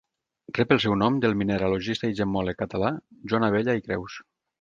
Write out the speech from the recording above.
Rep el seu nom del mineralogista i gemmòleg català Joan Abella i Creus.